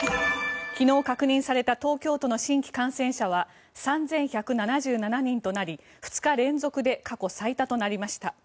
昨日確認された東京都の新規感染者は３１７７人となり２日連続で過去最多となりました。